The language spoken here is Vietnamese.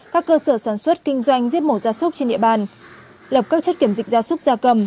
các cơ sở sản xuất kinh doanh giết mổ ra súc trên địa bàn lập các chất kiểm dịch gia súc gia cầm